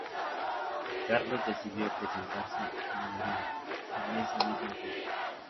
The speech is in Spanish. Carlos decidió presentarse en Hungría en esa misma fecha.